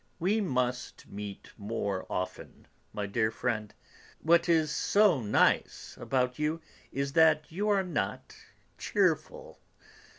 We must meet more often, my dear friend. What is so nice about you is that you are not cheerful.